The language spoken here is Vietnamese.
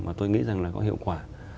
và tôi nghĩ rằng là có hiệu quả